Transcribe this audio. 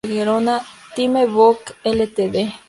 Time Book Ltd.